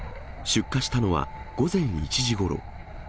出火したのは午前１時ごろ。